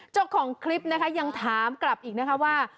เจ้าของคลิปนะคะยังถามกลับอีกนะคะว่า